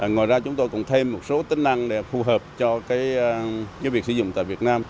ngoài ra chúng tôi còn thêm một số tính năng để phù hợp cho việc sử dụng tại việt nam